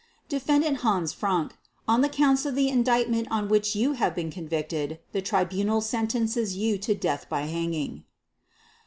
"Defendant Hans Frank, on the Counts of the Indictment on which you have been convicted, the Tribunal sentences you to death by hanging.